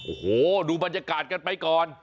โอ้โหดูบรรยากาศกันไปก่อน